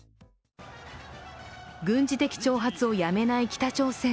軍事的挑発をやめない北朝鮮。